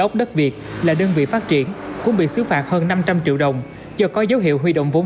ốc đất việt là đơn vị phát triển cũng bị xứ phạt hơn năm trăm linh triệu đồng do có dấu hiệu huy động vốn